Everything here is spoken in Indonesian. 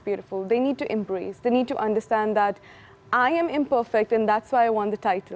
mereka perlu mengambil alih mereka perlu memahami bahwa saya tidak sempurna dan itulah mengapa saya menangkan titel